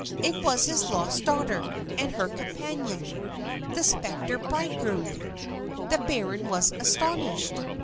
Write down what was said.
It was his lost daughter, and her companion the spectre bridegroom. The baron was astonished.